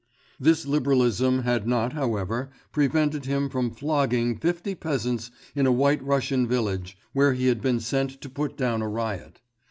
This liberalism had not, however, prevented him from flogging fifty peasants in a White Russian village, where he had been sent to put down a riot.